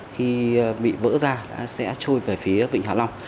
khi bị vỡ ra sẽ trôi về phía vịnh hạ long